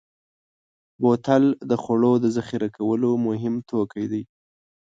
بوتل د خوړو د ذخیره کولو مهم توکی دی.